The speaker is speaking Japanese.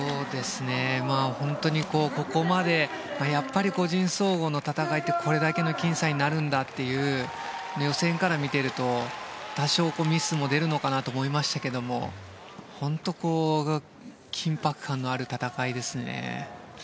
本当にここまでやっぱり個人総合の戦いってこれだけのきん差になるんだという予選から見ていると多少、ミスも出るのかなと思いましたけど緊迫感のある戦いですね。